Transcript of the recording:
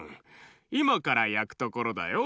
いまからやくところだよ。